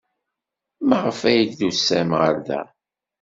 Maɣef ay d-tusam ɣer da?